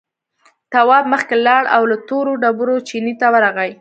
تواب مخکې لاړ او له تورو ډبرو چينې ته ورغی.